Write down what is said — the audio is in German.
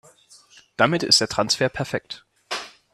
Damit ist der Transfer perfekt.